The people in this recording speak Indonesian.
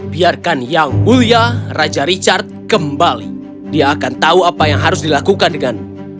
biarkan yang mulia raja richard kembali dia akan tahu apa yang harus dilakukan denganmu